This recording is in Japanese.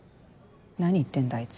何言ってんだあいつ。